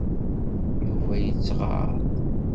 Yuba yettɣaḍ.